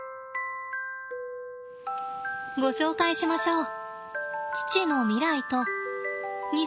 ご紹介しましょう。